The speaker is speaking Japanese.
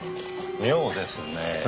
妙ですねぇ。